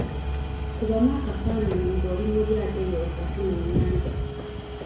Kubamu akafaanayi ng’oli mu lyato eyo wakati mu nnyanja.